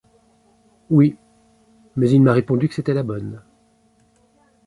Oui, mais il m’a répondu que c’était la bonne.